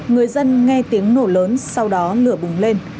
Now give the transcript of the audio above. người dân nghe tiếng nổ lớn sau đó lửa bùng lên